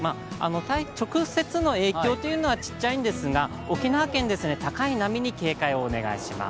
直接の影響というのは小さいんですが、沖縄県は高い波に警戒をお願いします。